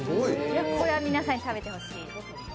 これは皆さんに食べてほしい。